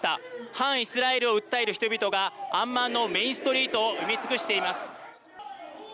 反イスラエルを訴える人々がアンマンのメインストリートを埋め尽くしています。